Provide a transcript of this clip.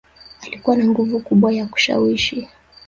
Alikuwa ana nguvu kubwa ya kushawishi